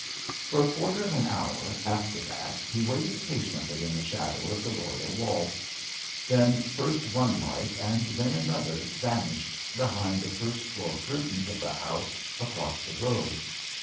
For a quarter of an hour after that he waited patiently in the shadow of the royal wall. Then first one light, and then another, vanished behind the first floor curtains of the house across the road.